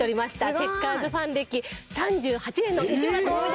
チェッカーズファン歴３８年の西村知美です。